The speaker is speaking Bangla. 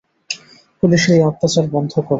পুলিশের এই অত্যাচার বন্ধ করো!